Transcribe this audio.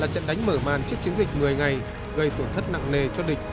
trận đánh mở màn trước chiến dịch một mươi ngày gây tổn thất nặng nề cho địch